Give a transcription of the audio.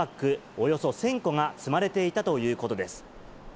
およそ１０００個が積まれていたということです。